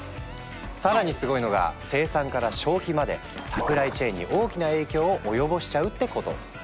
更にすごいのが生産から消費までサプライチェーンに大きな影響を及ぼしちゃうってこと。